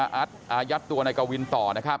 แต่ว่าวินนิสัยดุเสียงดังอะไรเป็นเรื่องปกติอยู่แล้วครับ